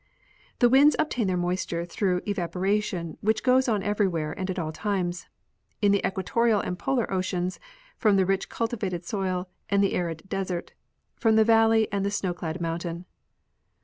The winds obtain their moisture through evaporation, Avhich goes on everywhere and at all times; in the equatorial and polar oceans, from the rich cultivated soil and the arid desert, from the valley and the snow clad mountain.